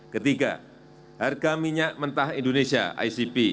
ketiga harga minyak mentah indonesia icp